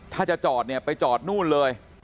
ถ้าจะจอดเนี่ยไปจอดนู่นเลย